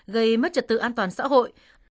gây mất trật tự an toàn xã hội